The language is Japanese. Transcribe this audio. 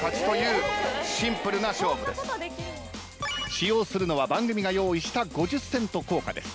使用するのは番組が用意した５０セント硬貨です。